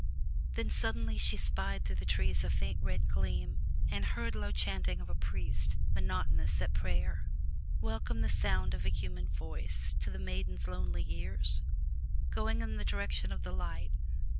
Then suddenly she spied through the trees a faint red gleam and heard low chanting of a priest, monotonous, at prayer. Welcome the sound of human voice to the maiden's lonely ears! Going in the direction of the light.